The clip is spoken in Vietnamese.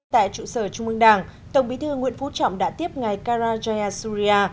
tại trụ sở trung ương đảng tổng bí thư nguyễn phú trọng đã tiếp ngài kara jaya surya